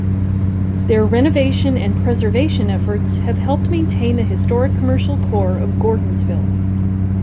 Their renovation and preservation efforts have helped maintain the historic commercial core of Gordonsville.